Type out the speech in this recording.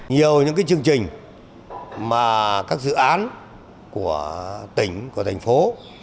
nhiều những chương trình mà các dự án của tỉnh của thành phố